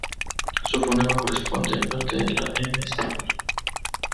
Su fonema corresponde al de la eme española.